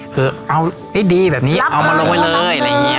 คือเอานิดดีแบบนี้เอามาลงไว้เลย